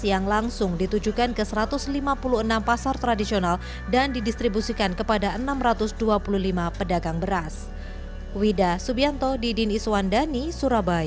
yang langsung ditujukan ke satu ratus lima puluh enam pasar tradisional dan didistribusikan kepada enam ratus dua puluh lima pedagang beras